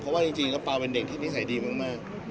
เพราะว่าจริงแล้วเปล่าเป็นเด็กที่นิสัยดีมาก